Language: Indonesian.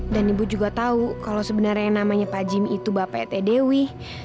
dan ibu juga tahu kalau sebenarnya namanya pak jimmy itu bapak ete dewi